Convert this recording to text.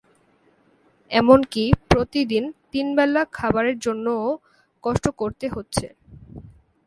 এমনকি প্রতিদিন তিন বেলা খাবারের জন্যও কষ্ট করতে হচ্ছে।